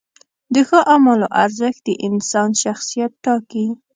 د ښو اعمالو ارزښت د انسان شخصیت ټاکي.